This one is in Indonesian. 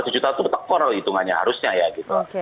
lima ratus juta itu betul betul itungannya harusnya ya gitu